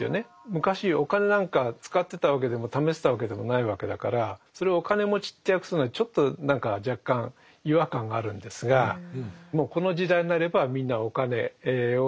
昔お金なんか使ってたわけでもためてたわけでもないわけだからそれをお金持ちって訳すのはちょっと何か若干違和感があるんですがもうこの時代になればみんなお金を使っていたしお金をためていた。